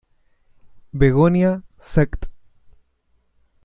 Begonia sect.